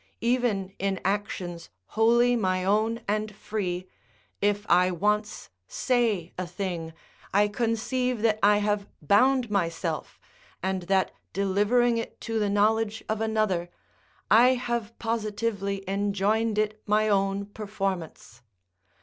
Even in actions wholly my own and free, if I once say a thing, I conceive that I have bound myself, and that delivering it to the knowledge of another, I have positively enjoined it my own performance.